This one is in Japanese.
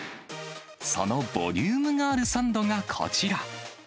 そのボリュームがあるサンドがこちら。